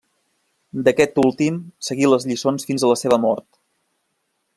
D'aquest últim seguí les lliçons fins a la seva mort.